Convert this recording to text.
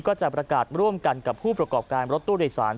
ก็จะประกาศร่วมกันกับผู้ประกอบการรถตู้โดยสาร